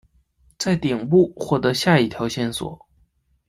在顶部获得下一条线索。